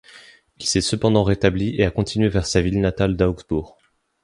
Il s'est cependant rétabli et a continué vers sa ville natale d'Augsbourg.